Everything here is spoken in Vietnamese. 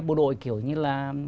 bộ đội kiểu như là